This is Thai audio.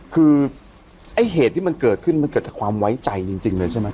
คือไอ้เหตุที่มันเกิดขึ้นมันเกิดจากความไว้ใจจริงเลยใช่ไหม